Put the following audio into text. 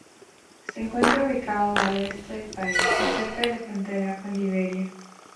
Se encuentra ubicado al oeste del país, cerca de la frontera con Liberia.